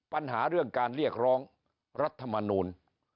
ปัญหาเรื่องการเรียกร้องรัฐมนูล